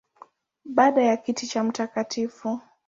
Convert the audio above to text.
Baada ya kiti cha Mt.